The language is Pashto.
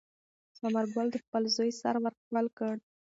ثمر ګل د خپل زوی سر ور ښکل کړ.